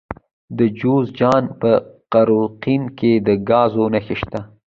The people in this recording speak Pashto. د جوزجان په قرقین کې د ګازو نښې شته.